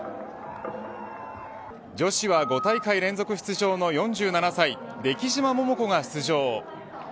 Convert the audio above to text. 女子は５大会連続出場の４７歳出来島桃子が出場。